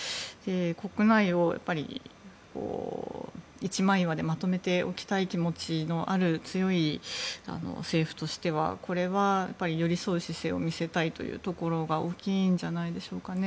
国内を一枚岩でまとめておきたい気持ちの強い政府としてはこれは寄り添う姿勢を見せたいところが大きいんじゃないでしょうかね。